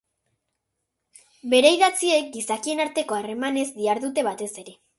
Bere idatziek gizakien arteko harremanez dihardute batez ere.